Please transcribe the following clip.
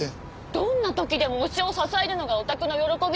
どんな時でも推しを支えるのがオタクの喜び。